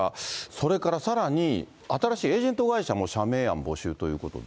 それからさらに新しいエージェント会社も社名案募集ということで。